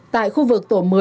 tại khu vực tổ một mươi